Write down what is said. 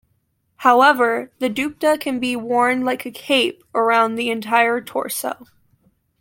However, the dupatta can be worn like a cape around the entire torso.